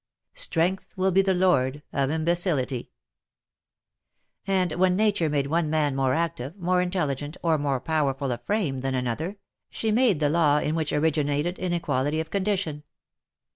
" Strength will be lord of imbecility/' And when nature made one man more active, more intelligent, or more powerful of frame than another, she made the law in which ori ginated inequality of condition.